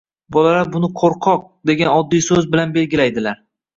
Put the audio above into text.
bolalar buni “qo‘rqoq”, degan oddiy so‘z bilan belgilaydilar.